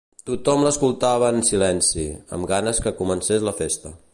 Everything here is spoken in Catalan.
Tothom l'escoltava en silenci, amb ganes que comencés la festa.